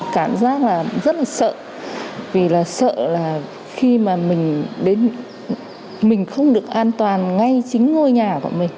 cảm giác là rất là sợ vì là sợ là khi mà mình không được an toàn ngay chính ngôi nhà của mình